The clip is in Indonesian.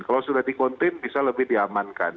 kalau sudah di contain bisa lebih diamankan